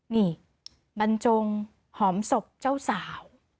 นี่บรรจงหอมศพเจ้าสาว